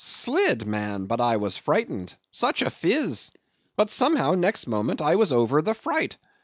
Slid! man, but I was frightened. Such a phiz! But, somehow, next moment I was over the fright.